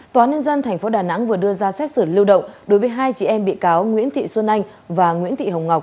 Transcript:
tòa nhân dân tp đà nẵng vừa đưa ra xét xử lưu động đối với hai chị em bị cáo nguyễn thị xuân anh và nguyễn thị hồng ngọc